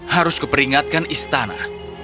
harusku peringatkan istana